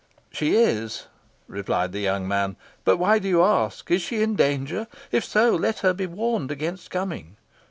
"She is," replied the young man; "but why do you ask? Is she in danger? If so, let her be warned against coming."